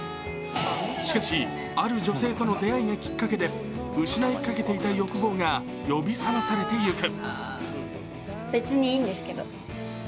しかし、ある女性との出会いがきっかけで失いかけていた欲望が呼び覚まされていく。